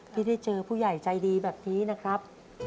ที่ได้เจอผู้ใหญ่ใจดีแบบนี้นะครับ